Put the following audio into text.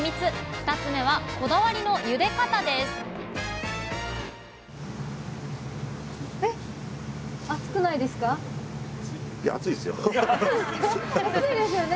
２つ目はこだわりのゆで方です熱いですよね。